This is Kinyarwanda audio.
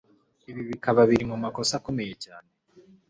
ibi bikaba biri mumakosa akomeye cyane